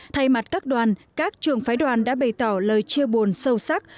thay mặt các đoàn các trường phái đoàn đã bày tỏ lời chia buồn sâu sắc